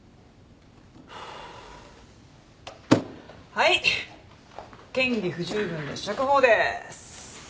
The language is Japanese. はい嫌疑不十分で釈放でーす！